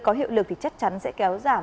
có hiệu lực thì chắc chắn sẽ kéo giảm